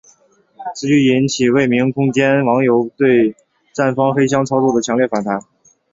此举引起未名空间网友对站方黑箱操作的强烈反弹。